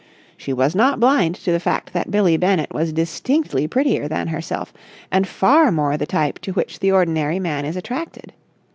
She was not blind to the fact that Billie Bennett was distinctly prettier than herself and far more the type to which the ordinary man is attracted.